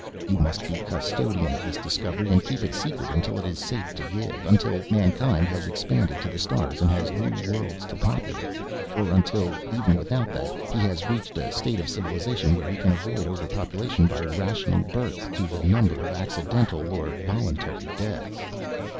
You must be custodian of this discovery and keep it secret until it is safe to give, until mankind has expanded to the stars and has new worlds to populate, or until, even without that, he has reached a state of civilization where he can avoid overpopulation by rationing births to the number of accidental or voluntary deaths.